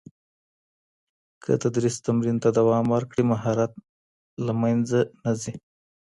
که تدریس تمرین ته دوام ورکړي، مهارت نه له منځه ځي.